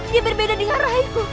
dia berbeda dengan raiku